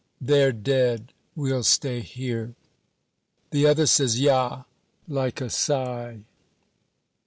(They're dead. We'll stay here.) The other says, "Ja," like a sigh.